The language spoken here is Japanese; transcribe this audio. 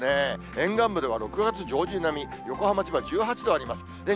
沿岸部では６月上旬並み、千葉度あります。